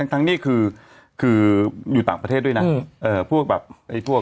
ทั้งนี้คือคืออยู่ต่างประเทศด้วยนะเอ่อพวกแบบไอ้พวก